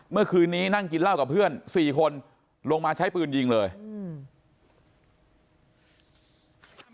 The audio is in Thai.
เมื่อคืนนี้นั่งกินเหล้ากับเพื่อนสี่คนลงมาใช้ปืนยิงเลยอืม